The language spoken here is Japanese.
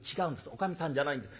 おかみさんじゃないんです。